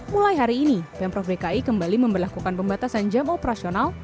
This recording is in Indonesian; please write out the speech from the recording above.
mulai hari ini pemprov dki kembali memperlakukan pembatasan jam operasional